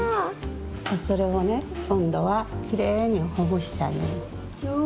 それをねこんどはきれいにほぐしてあげるの。